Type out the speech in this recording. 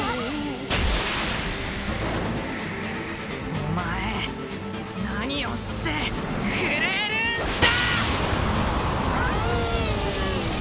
お前何をしてくれるんだ！